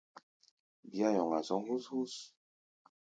Bíá nyɔŋa zɔ̧́ hú̧s-hú̧s.